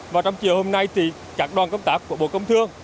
và trong chiều hôm nay thì các đoàn công tác của bộ công thương